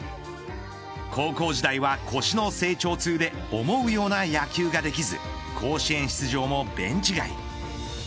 高校時代は、腰の成長痛で思うような野球ができず甲子園出場もベンチ外。